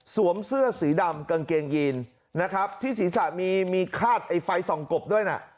เสื้อสีดำกางเกงยีนนะครับที่ศีรษะมีมีคาดไอ้ไฟส่องกบด้วยน่ะ